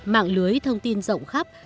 mạng lưới thông tin rộng khắp